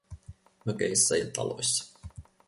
Mökeissä ja taloissa.